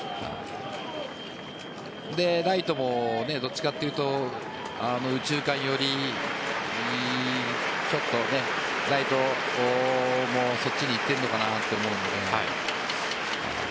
ライトもどちらかというと右中間寄りライトもそっちに行っているのかなと思うので。